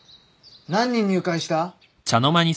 何人入会した？